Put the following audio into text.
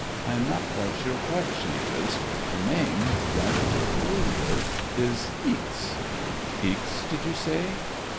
I am not quite sure what she is. Her name — rather peculiar — ^is Ixe." " Ixe, did you say